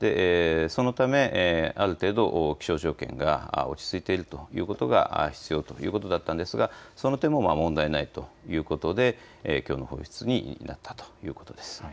そのため、ある程度、気象条件が落ち着いているということが必要ということだったんですがその点も問題ないということできょうの放出になったということです。